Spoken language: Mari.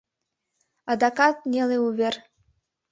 Адакат неле увер.